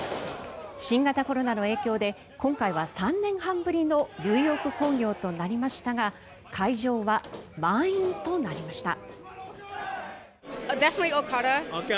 新型コロナの影響で今回は３年半ぶりのニューヨーク興行となりましたが会場は満員となりました。